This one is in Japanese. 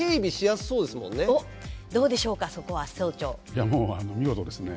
いやもう見事ですね。